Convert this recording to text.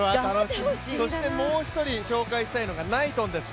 もう一人紹介したいのがナイトンです。